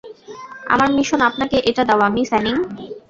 আমার মিশন আপনাকে এটা দেওয়া, মিস অ্যানিং।